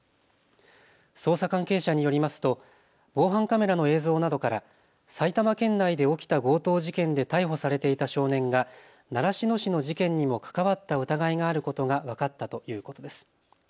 捜査関係者によりますと防犯カメラの映像などから埼玉県内で起きた強盗事件で逮捕されていた少年が習志野市の事件にも関わった疑いがあることが分かったということです。